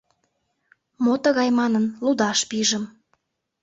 Мо тыгай манын, лудаш пижым.